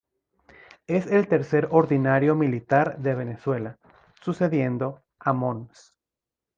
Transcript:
Es el tercer Ordinario Militar de Venezuela, sucediendo a Mons.